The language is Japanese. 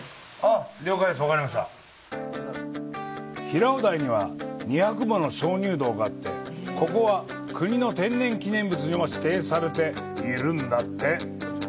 平尾台には２００もの鍾乳洞があってここは国の天然記念物にも指定されているんだって。